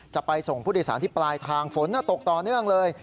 จะไปส่งผู้โดยสารที่ปลายทางฝนตกต่อเนื่องเลย